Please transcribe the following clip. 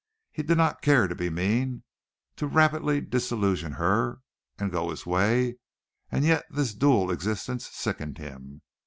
He did not care to be mean to rapidly disillusion her and go his way; and yet this dual existence sickened him.